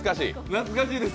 懐かしいです。